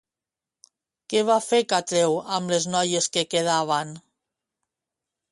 Què va fer Catreu amb les noies que quedaven?